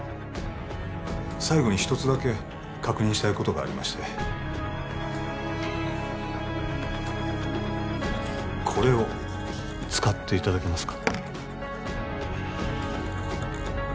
最後に一つだけ確認したいことがありましてこれを使っていただけますか？